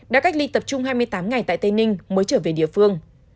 đã cách ly tập trung hai mươi tám ngày tại tây ninh mới trở về địa phương